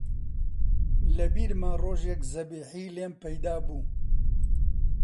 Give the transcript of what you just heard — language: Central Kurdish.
لەبیرمە ڕۆژێک زەبیحی لێم پەیدا بوو